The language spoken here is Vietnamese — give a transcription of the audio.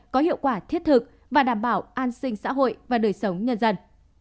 có hiệu quả thiết thực và đảm bảo an sinh xã hội và đời sống nhân dân